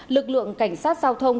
lực lượng cảnh sát giao thông